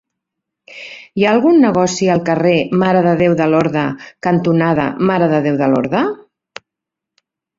Hi ha algun negoci al carrer Mare de Déu de Lorda cantonada Mare de Déu de Lorda?